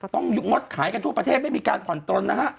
ต้องงดขายขอยทุกประเทศไม่มีการควอนตรนนะครับ